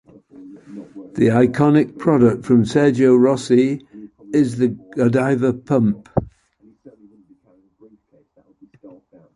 The iconic product from Sergio Rossi is the Godiva pump.